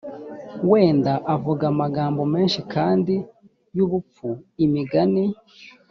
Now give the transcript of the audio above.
wenda uvuga amagambo menshi kandi y ubupfu imigani